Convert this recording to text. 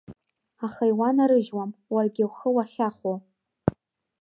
Аха иуанарыжьуам уаргьы ухы уахьахәо.